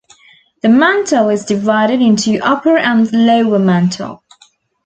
The mantle is divided into upper and lower mantle.